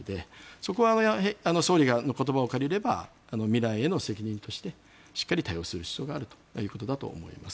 そこは総理の言葉を借りれば未来への責任としてしっかり対応する必要があるということだと思います。